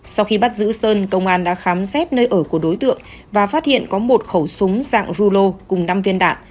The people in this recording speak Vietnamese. sau khi bắt giữ sơn công an đã khám xét nơi ở của đối tượng và phát hiện có một khẩu súng dạng rulo cùng năm viên đạn